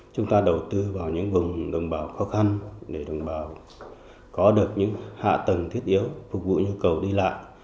chúng ta đầu tư vào những vùng đồng bào khó khăn để đồng bào có được những hạ tầng thiết yếu phục vụ nhu cầu đi lại